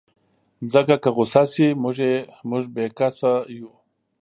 مځکه که غوسه شي، موږ بېکسه یو.